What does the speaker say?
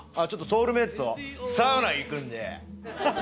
ちょっとソウルメートとサウナ行くんで。